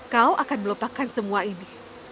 kau akan melupakan semua ini